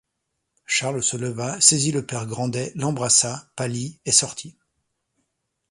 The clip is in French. Charles se leva, saisit le père Grandet, l’embrassa, pâlit et sortit.